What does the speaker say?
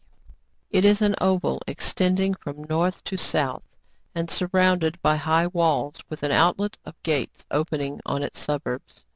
28 TRIBULATIONS OF A CHINAMAN, It is an oval, extending from north to south, and surrounded by high walls, with an outlet of gates opening on its suburbs.